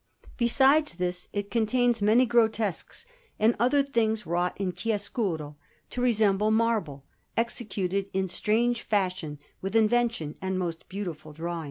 Besides this, it contains many grotesques and other things wrought in chiaroscuro to resemble marble, executed in strange fashion with invention and most beautiful drawing.